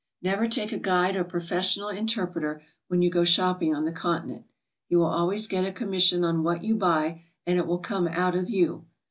Never take a guide or professional interpreter when you go shopping on the Continent; he will always get a commis sion on what you buy, and it will come out of you.